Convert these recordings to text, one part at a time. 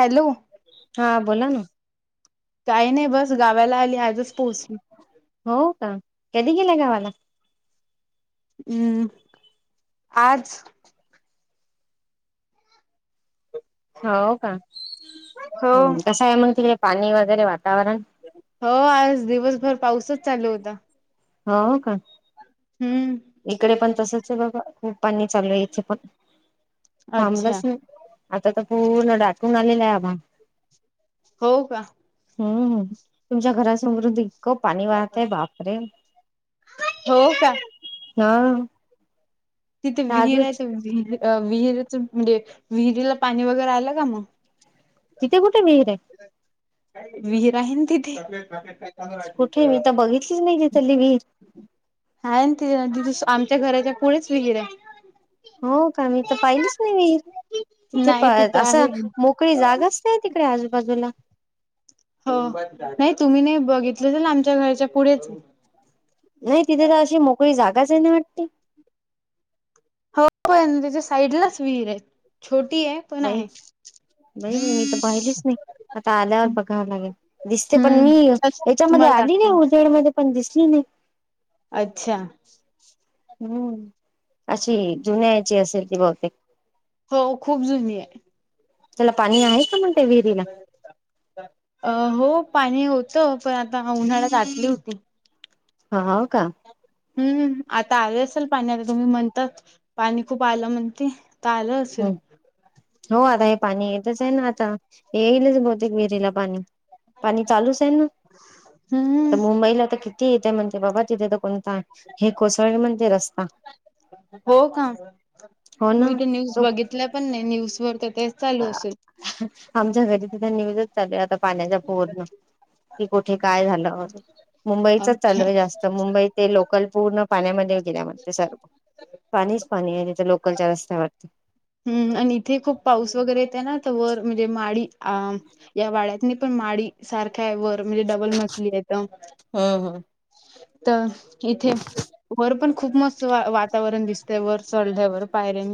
Hello. हा बोला ना काही नाही बस गावाला आली आजच पोहोच हो का कधी गेला गावाला? हम् आज हो का? हो ह् कसं आहे म्ह ति पाणी वगैरे? वातावरण हो आज दिवसभर पाऊसच चालू होता. हो का? हम्म इकडे पण तसच आहे बाबा. खूप पाणी चालू आहे इथे पण. अच्छा थांबलंच नाही. आता तर पूर्ण दडाटून आलेला आहे आभाळ. हो का? हम्मम. तुमच्या घरासमोरून दिक पाणी वाहतय बापरे हो का? हा. तिथे विहीर आजच आहेत. विर विहिरीच म्हणजे विहिरीला पाणी वगैरे आलं का मग? तिथे कुठे विहीर आहे विहीर आहे ना तिथे. कुठे मी तर बघितलीच नाही तिथली विहीर ह ते आम च्या घराच्या पुढेच विहीर आहे. हो का मी तर पाहिलीच नाही. तिथे नाही असा आहे मोक तडे जागाच आहे तिकडे आजूबाजूला हो नाही तुम्ही नाही बघितलं तरल आमच्या घरच्या पुढेच नाही तिथे तर अशी मोकळी जागाच आहे ना वाटते. हो पण त्याच्या साईडलाच विहीर आहे छोटी आहे पण आहे. नाही बाई मी तर पाहिलीच नाही आता आल्यावर बघावं लागेल दिसते पण मी याच्यामध्ये तुम्हाला आली नाही दाखवेन उजेड मध्ये पण दिसली नाही अच्छा हम्म अशी जुन्याची असेल ती बहुतेक हो खूप जुनी आहे त्याला पाणी आहे का म्हणते विहिरीला अ हो पाणी होत होत पण आता उन्हाळ्यात आटली होती हा हो का. हम्म आता आले असेल पाणी. आता तुम्ही म्हणताात पाणी खूप आलं म्हणते. अस. हम्म हो आता हे पाणी येतच आहे ना आता. येईलच बहुतेक विहिरीला पाणी. पाणी चालूच आहे ना. हम्म तर मुंबईला तर किती येत म्हणते बाबा तिथे तर कोण. हे कोसळळी म्हणते रस्ता हो का हो मी ना. ते न्यूज तो बघितल्या पण नाही न्यूज वर. तेच चालू असेल. आमच्या घरी तिथ निवेदच चालू आता. पाण्याच्या पोरण कि कुठे काय झालं हो. मुंबईचच अच्छा चालू जास्त मुंबई ते लोकल पूर्ण पाण्यामध्ये गेल्या म्हणते सर्व. पाणीच पाणी आहे तिथे लोकलच्या रस्त्यावर. करायचं म्हणजे माळी या वाड्यात नाही पण माडी सारख. हय वर म्हणजे डबल मचली आहेेत हम्म हम्म तर इथे वर पण खूप मस्त वातावरण दिसतय वर चढल्यावर‌ पायऱ्या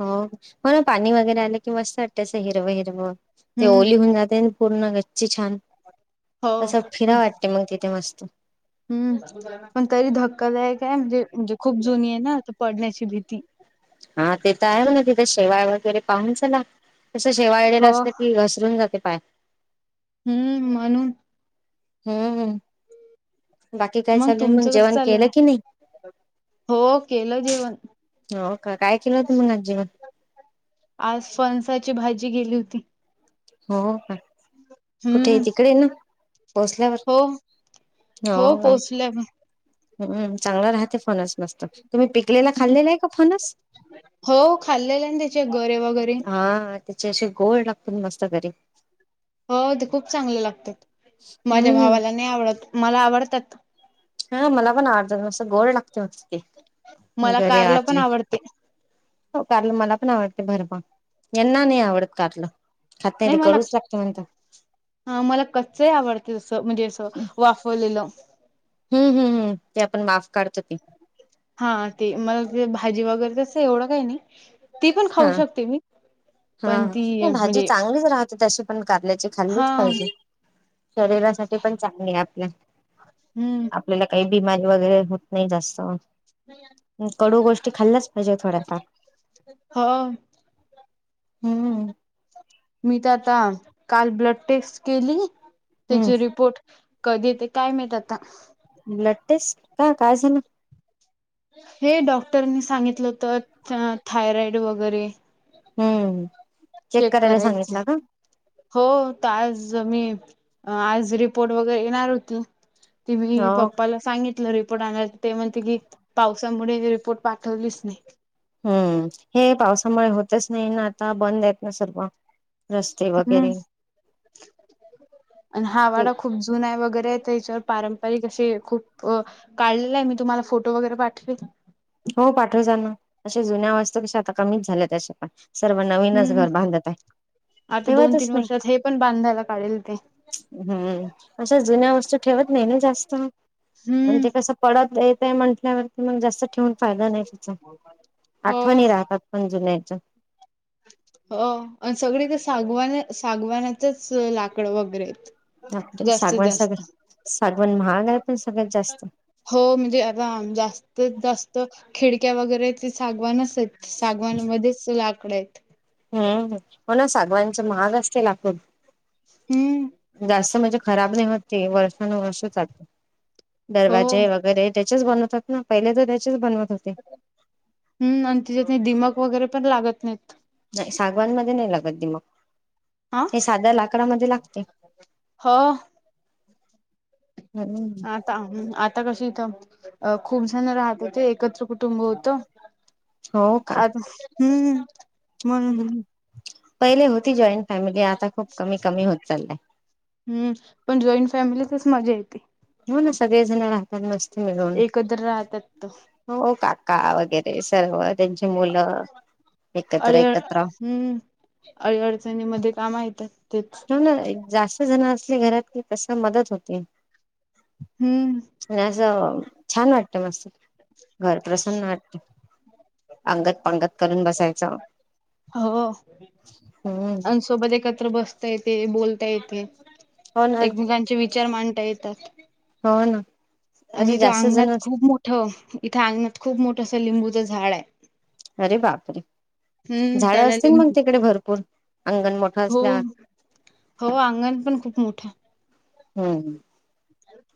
हो म्ह ना पाणी वगैरे आलं कि मस्त वाटतच हिरव हिरवं. ते हम्म ओली होऊन जाते पूर्ण गच्ची छान हो असं फिरा पण वाटते मग तिथे मस्त. हम्म पण तरी धक्कादायक आहे म्हणजे म्हणजे खूप जुनी आहे ना आता पडण्याची भीती. हा ते तर आहे ना तिथे शेवाय वगैरे पाहून चला तस शेवायलेलं हो असत की घसरून जाते पाय. हम्म म्हणून हम्म बाकी काय चालू आहेय मग तुमचं कसं जेवण चालू केलं की आहे नाही. हो केलं जेवण हो का काय केलं होत मग आज जेवण. आज फणसाची भाजी केली होती. हो का कुठे आहे हम्म तिकडे ना. पोहोचल्यावर हो हो का पोचल्या मी. चांगला राहते फोनस. मस्तच तुम्ही पिकलेला खाल्लेला आहे का फनस. हो खाल्लेले ना त्याचे गरे वगैरे हा त्याचे असे गोड लागतो मस्त घरी. हो ते खूप चांगलं लागतात माझ्या हम्म भावाला नाही आवडत मला आवडतात हा मला पण अर्धा वाजता गोड लागत. च मला घर कारला आच. पण आवडते हो कारलं मला पण आवडते भरभ यांना नाही आवडत कारलं. खात नाही र कडूच लागत म्हणता. हा मला कच्चही आवडत तसं म्हणजे असं वाफवलेलं. हम् हम् हम्म. ते आपण माफ काढतो ते हा ते मला ते भाजी वगैरे तस एवढं काही नाही. ते पण खाऊ हा शकते मी हा पण ती नाही भाजी म्हणजे. चांगलीच राहते तशी पण कारल्याची हा खाल्लीच पाहिजे शरीरासाठी पण चांगले आपल्या. हम्म आपल्याला काही बिमारी वगैरे होत नाही जास्त. कडू गोष्टी खाल्ल्याच पाहिजे थोड्याफार. हा. हम्म. मी तर आता काल ब्लड टेस्ट केली हम्म त्याचे रिपोर्ट. कधी येते काय माहित आता. ब्लड टेस्ट का काय झाल. हे डॉक्टरनी सांगितलं होत थायरॉइड वगैरे. हम्म चेक करायला करायच सांगितला का हो टास्क मी आज रिपोर्ट वगैरे येणार होती त मी हो पप्पाला सांगितलं रि रिपोर्ट आण ते म्हण ति पावसामुळे रिपोर्ट पाठवलीच नाही. हम्म हे पावसामुळे होतंच नाही ना आता बंद आहेत ना सर्व रस्ते हम्म वगैरे आणि हा ते वाडा खूप जुना आहे वगैरे आहेत त्याच्यावर पारंपरिक असे खूप काढलेलं आहे मी तुम्हाला फोटो वगैरे पाठवेल. हो पाठव जा ना, अशा जुन्या वास्तू कशा आता कमीच झाल्या तशापण. सर्व नवीनच हम्म. घर बांधत आहे, आता दोन तीन ठेवतच नाही. वर्षात हे पण बांधायला काढेल ते. हम्म अशा जुन्या वस्तू ठेवत नाही ना जास्त. हम्म. म्हणजे कस पडत येत य म्हटल्यावरती मग जास्त ठेवून फायदा नाही त्याचा, हो आठवणी राहतात पण जुन्या. च हो आणि सगळी तर सागवान सागवानाचंच लाकड वगैरे आहेत. जास्तीत सागवान साग जास्त हो म्हणजे आता जास्तीत जास्त तर खिडक्या वगैरे ते सागवानच आहेत सागवान मध्येच लाकडं आहेत. हम्म हो ना सागवानच महाग असते लाकूड. हम्म जास्त म्हणजे खराब नाही होत ते वर्षानुवर्ष चालतं, हो. दरवाजे वगैरे त्याच्याच बनवतात ना पहिले तर त्याचेच बनवत होते हम्म आणि तिच्यात नी दिमक वगैरे पण लागत नाहीत. सागवन मध्ये नाही लागत दिमक. हा ते साध्या लाकडामध्ये लागते. हो हम्म, आता आता कशी इथं अ खूप जण राहत होते, एकत्र कुटुंब होतं हो का? हा हम्म मंग हम्म. पहिले होती जॉईंट फॅमिली आता खूप कमी कमी होत चाललंय. हम्म पण जॉईंट फॅमिलीतच मजा येते. हो ना सगळेजण राहतात मस्त मिळून एकत्र राहतात हो काका वगैरे सर्व त्यांची मुलं एकत्र अळ एकत्र हम्म अळी अडचणी मध्ये कामा येतात. तेच हो ना जास्त जण असले घरात की कसं मदत होते. हम्म आणि असं छान वाटत मस्त. घर प्रसन्न वाटत. अंगत पंगत करून बसायचं. हो हम्म आणि सोबत एकत्र बसता येते बोलता येते. हो ना एकमेकांचे विचार मांडता येतात. हो ना आणि अरे इथं जास्त अंगणात जण खूप मोठं इथे अंगणात खूप मोठं असं लिंबूचं झाड आहे. अरे बापरे! हम्म, झाडं त्याला असतील मग लिंबू तिकडे भरपूर. अंगण मोठं हो असल्या हो अंगण पण खूप मोठं आहे. हम्म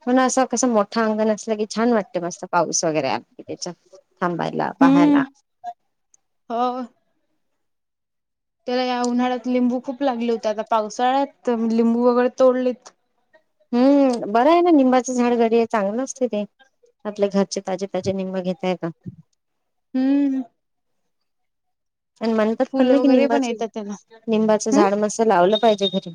पण असं कसं मोठं अंगण अस ल की छान वाटते मस्त पाऊस वगैरे आलं की त्याच्यात थांबायला पाहायला. हम्म, हो. त्याला या उन्हाळ्यात लिंबू खूप लागले होते आता पावसाळ्यात लिंबू वगैरे तोडलेत. हम्म बरं आहे ना निंबाचं झाड घरी चांगलं असते ते. आपले घरचे ताजे ताजे निंब घेता येता हम्म. आणि म्हणतात पण ना फुलं की वगैरे पण निंबाच येतात त्याला. निंबाचं हम्म, झाड मस्त लावलं पाहिजे घरी.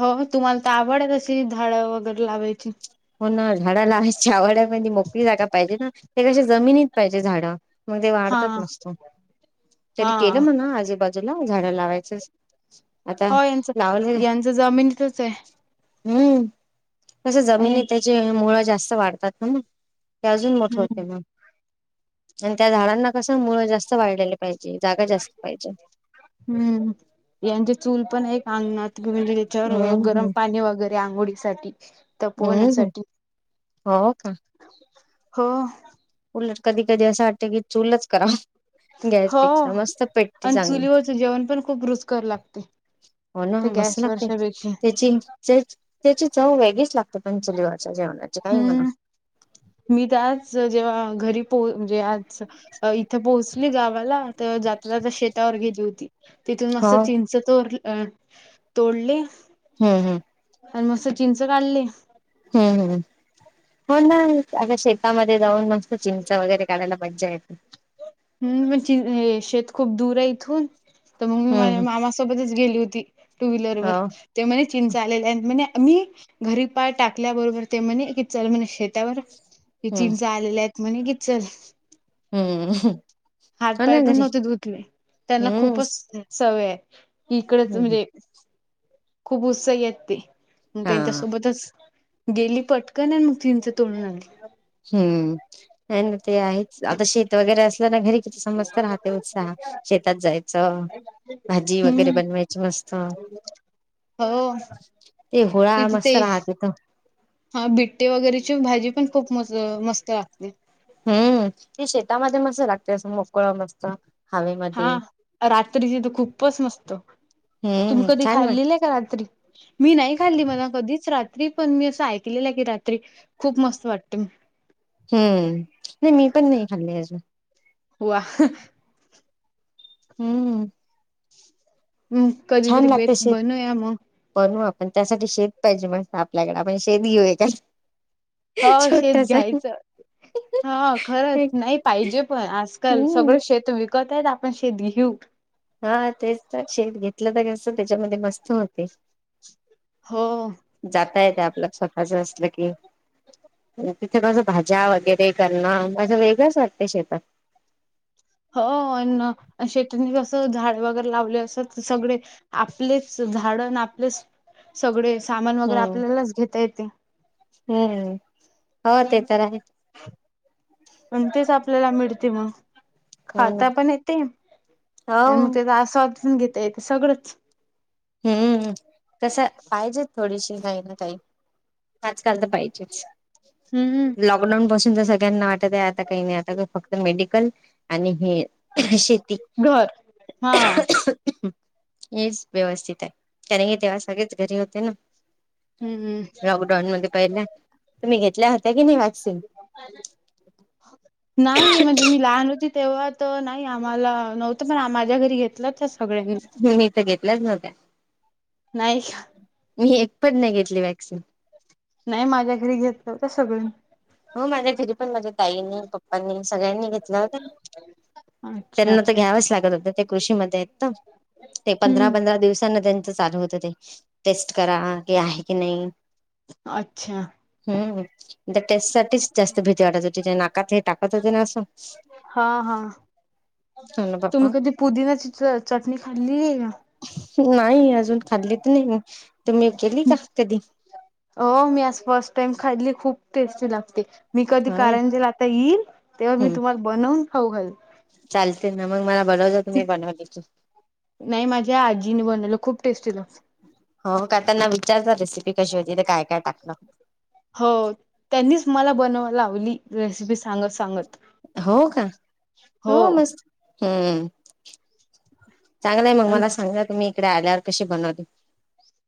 हो तुम्हाला तर आवड आहे तशी झाडं वगैरे लावायची. हो ना झाडं लावयची आवड आहे पण ती मोकळी जागा पाहिजे ना, ते कशी जमिनीत पाहिजे झाडं. मग ते वाढतात हां, मस्त, तरी केलं हां. म्हणा आजूबाजूला झाडं लावायचं हो यांच यांच जमिनीतच आहे. हम्म कसं आणि जमिनीत मुळ जास्त वाढतात ना मग ते अजून मोठं होते हम्म, मग आणि त्या झाडांना कस मुळ जास्त वाढलेले पाहिजे जागा जास्त पाहिजे हम्म यांचे चूल पण एक सांगणार म्हणजे हम्म त्याच्यावर गरम हम्म पाणी वगैरे आंघोळीसाठी हम्म तपवण्यासाठी. हो का हो कधी कधी असं वाटतं की चूलच करा हो. गॅसपेक्षा मस्त पेटते आणि चांगली चुलीवरच जेवण पण खूप रुचकर लागते हो ना ते मस्त लागते गॅसवरच्यापेक्षा त्याची त्याची चव वेगळीच लागते पण चुलीवरच्या जेवणाची काही म्हणा हम्म मी तर आच जेव्हा घरी पो म्हणजे आज इथ पोहोचली गावाला तर जाता जाता शेतावर गे होती तिथून मं हो चिंच तोर तोडले हम्म हम्म. आणि मग सचिनच काढले. हम्म हम्म हो ना अग शेतामध्ये जाऊन मस्त चिमचा वगैरे काढायला मज्जा येत. हम् म्हणजे शेत खूप दूर आहे इथून तर मग मी हम्म माझ्या हम्म मामासोबतच गेली होती टू व्हीलर वर, हो ते म्हणे चिंचा आलेले आणि म्हण मी घरी पाय टाकल्याबरोबर ते म्हणे क चल म्हणे शेत त्यावर हे हम्म चिंच आलेले आहेत म्हणे की चल हम्म. हो हातपाय ना पण घरी नव्हते धुतले. त्यांना हम्म खूपच सवय आहे. इकडच हम्म म्हणजे खूप उत्साही आहेत ते, मग हा त्यांच्यासोबतच गेली पटकन मग चिंच तोडून आणली. हम्म नाही ना ते आहेच. आता शे त वगैरे असल्या ना घरी किती समजत राहते उत्साह, शेतात जायचं भाजी वगैरे हम्म बन वायच मस्त हो ते होळा तिथे ते मस्त राहतेथ हा बिट्टे वगैरेची भाजी पण खूप मस्त लागते. हम्म ती शेतामध्ये मस्त लागते असं मोकळ मस्त हा हवेमध्ये कात्रीची तर खूपच मस्त. तुम्ही हम्म कधी छान वाट खाल्लीलं आहे का कात्री? मी नाही खाल्ली मला कधीच कात्री पण मी असं ऐकलेलं की कात्री खूप मस्त वाटते. हम्म नाही मी पण नाही खाल्ली अजून. [unintelligible] हम्म. हम् छान कधीतरी बेट बन या मग पण त्यासाठी शेत पाहिजे म्हणत आपल्याकडे आपण शेत घेऊया काय? हो शेत घ्यायचं. हा खरच नाही पाहिजे पण आजकाल हम्म सगळं शेत विक कतय आपण शेेत घेऊ हा तेच तर शेत घेतलं तर कस त्याच्यामध्ये मस्त होते. हो जाता येता आपल्या स्वतःच असलं की, तिथे माझ भाज्या वगैरे करणं माझं वेगळंच वाटते शेतात. हो शेतीनी कसं झाडे वगैरे लावले असत तर सगळे आपलेच झाड आपले सगळे सामान वगैरे हम्म आपल्यालाच घेता येते. हम्म हो ते तर आहेच पण तेच आपल्याला मिळते मग ना खाता पण येते आणि हो मग तेचा असा घेता येते सगळंच हम्म कस पाहिजे थोडीशी काही ना काही आजकाल तर पाहिजेच हम्म लॉकडाऊन पासून सगळ्यांना वाटत आता काही आता फक्त मेडिकल आणि हे शेती घर हा [unintelligible] हेच व्यवस्थित आहे, कारण हे तेव्हा सगळेच घरी होते ना. हम्म लॉकडाऊन मध्ये पहिल्या तुम्ही घेतल्या होत्या की नाही वा नाही म्हणजे मी लहान होते. तेव्हा तो नाही आम्हाला नव्हतं पण माझ्या घरी घेतलंचस मी तर घेतलंच नव्हत्या. नाही मी एकपण नाही घेतली वॅक्सिन. नाही माझ्या घरी घेतलं होत सगळे मिळून हो माझ्या घरी पण माझ्या ताईनी, पप्पांनी सगळ्यांनी घेतला होता. अच्छा त्यांना तर घ्यावच लागत होत ते कृषीमध्ये आहेत ना. ते पंधरा हम्म पंधरा दिवसांना त्यां चालू होत ते टेस्ट करा कि आहे की नाही? अच्छा हम्म टेस्ट साठीच जास्त भिती वाटतं होती त्यांना [unintelligible] हा हा हो ना बाप्पा तुम्ही कधी पुदिनाची च चटणी खाल्ली आहे का नाही अजून खाल्ली तर नाही तुम्ही केली का कधी हो मी आज फर्स्ट टाइम खाली खूप टेस्टी लागते मी कधी होय कारंजीला आता येईल तेव्हा मी हम्म तुम्हाला बनवून खाऊ घाल ल चालते ना मग मला बनवज तुम्ही बनवलीच नाही माझ्या आजीने बनवलं खूप टेस्टी लागते त्या त्यांना विचार [unintelligible] हो त्यांनीच मला बनवा लावली रेसिपी सांगत सांगत हो का हो मस्त हम्म चांगलंय मग अन मला सांगा तुम्ही इकडे आल्यावर कशी बनवते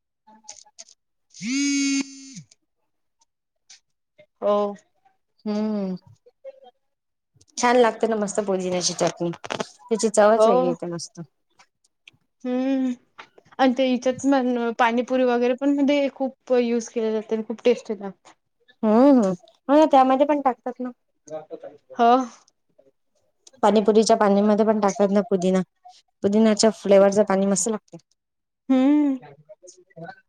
[inaudible] हो हम्म छान लागते ना मस्त पुदिण्याची चटणी त्याची चवच हो वेगळी येते मस्त हम्म आणि ते हच्यात पाणीपुरी वगैरे पण म्हण खूप युज केले ल जाते खूप टेस्टी लागत हम्म हम्म हो ना त्यामध्ये पण टाकतात ना हो पनीपुरीच्या पाणी मध्ये पण टाकतात ना पुदिना पुदिनाच्या फ्लेवरच पाणी मस्त लागते हम्